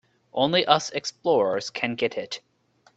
Only us explorers can get it.